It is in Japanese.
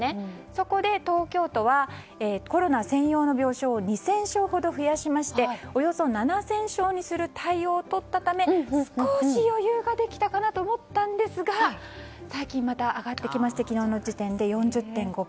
そこで東京都はコロナ専用の病床を２０００床ほど増やしましておよそ７０００床にする対応をとったため少し余裕ができたかなと思ったんですが最近また上がってきまして昨日の時点で４０．５％。